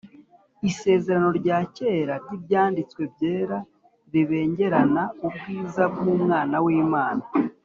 Isezerano rya Kera ry’Ibyanditswe Byera ribengerana ubwiza bw’Umwana w’Imana